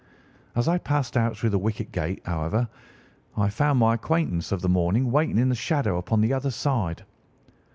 As I passed out through the wicket gate, however, I found my acquaintance of the morning waiting in the shadow upon the other side.